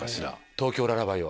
『東京ららばい』を。